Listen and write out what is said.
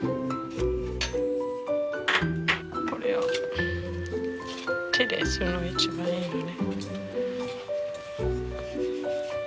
これを手でするのが一番いいのね。